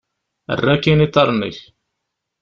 Err akkin iḍarren-ik!